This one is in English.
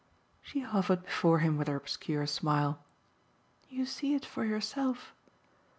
She hovered before him with her obscure smile. "You see it for yourself."